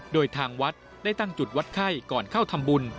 โดยทางวัดได้ตั้งจุดวัดไข้ก่อนเข้าทำบุญ